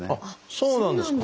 そうなんですか。